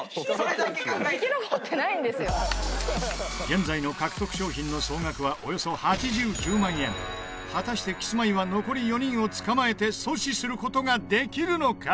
現在の獲得商品の総額はおよそ８９万円果たして、キスマイは残り４人を捕まえて阻止する事ができるのか？